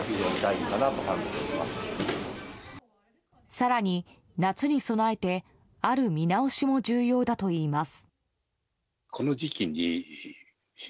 更に、夏に備えてある見直しも重要だといいます。